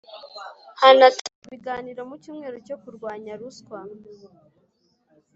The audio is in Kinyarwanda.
hanatanzwe ibiganiro mu cyumweru cyo kurwanya ruswa